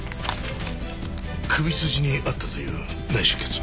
首筋にあったという内出血は？